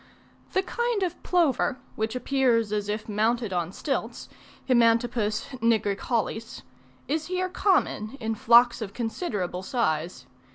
The kind of plover, which appears as if mounted on stilts (Himantopus nigricollis), is here common in flocks of considerable size.